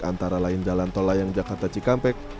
antara lain jalan tol layang jakarta cikampek